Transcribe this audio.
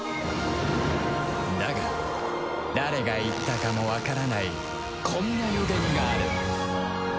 だが誰が言ったかもわからないこんな予言がある